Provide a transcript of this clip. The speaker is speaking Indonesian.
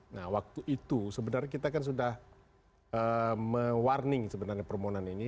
nah waktu itu sebenarnya kita kan sudah me warning sebenarnya permohonan ini